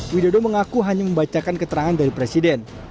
widodo mengaku hanya membacakan keterangan dari presiden